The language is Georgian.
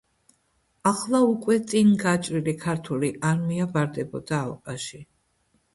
ახლა უკვე წინ გაჭრილი ქართული არმია ვარდებოდა ალყაში.